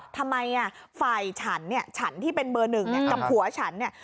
ทำไมฝ่ายฉันเนี่ยฉันที่เป็นเบอร์หนึ่งเนี่ยกับผัวฉันเนี่ย